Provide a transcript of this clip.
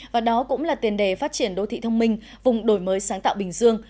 và đó cũng là tiền đề phát triển đô thị thông minh vùng đổi mới sáng tạo bình dương